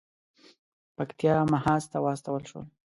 پکتیا محاذ ته واستول شول.